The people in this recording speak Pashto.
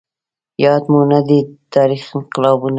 ياد مو نه دي د تاريخ انقلابونه